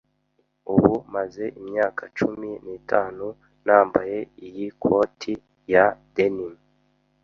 Ubu maze imyaka cumi nitanu nambaye iyi koti ya denim.